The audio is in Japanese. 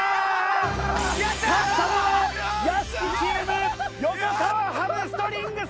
勝ったのは屋敷チーム横川ハムストリングス！